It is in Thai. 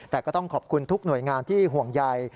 แต่ก็ต้องขอบคุณทุกหน่วยงานที่ห่วงใย